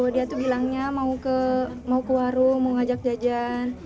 dia tuh bilangnya mau ke warung mau ngajak jajan